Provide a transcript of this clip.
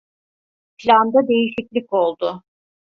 Planda değişiklik oldu.